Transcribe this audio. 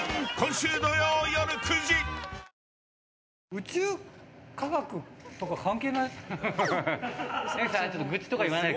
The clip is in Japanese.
宇宙科学とか関係ない。